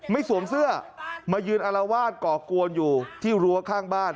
สวมเสื้อมายืนอารวาสก่อกวนอยู่ที่รั้วข้างบ้าน